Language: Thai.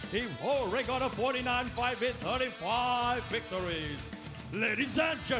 กำลังรับทรัพย์ของนัทธรรมสุวรรณ